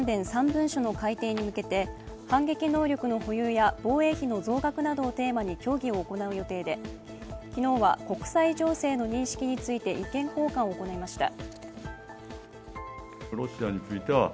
３文書の改定に向けて反撃能力の保有や防衛費の増額などをテーマに協議を行う予定で昨日は国際情勢の認識について意見交換を行いました。